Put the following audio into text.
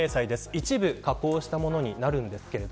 一部加工したものになります。